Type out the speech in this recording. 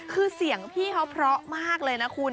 คือเสียงพี่เขาเพราะมากเลยนะคุณ